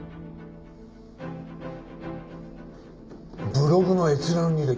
ブログの閲覧履歴